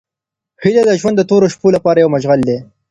هیله د ژوند د تورو شپو لپاره یو مشعل دی.